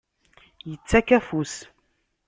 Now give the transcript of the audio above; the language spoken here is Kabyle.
Ittak afus.